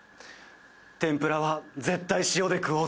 てんぷらは絶対塩で食おうって。